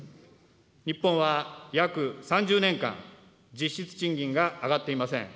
日本は約３０年間、実質賃金が上がっていません。